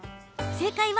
正解は？